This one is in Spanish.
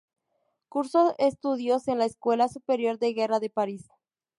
Cursó estudios en la Escuela Superior de Guerra de París.